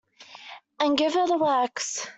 And give her the works.